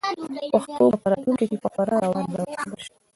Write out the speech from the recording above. پښتو به په راتلونکي کې په خورا روانه بڼه وپیژندل شي.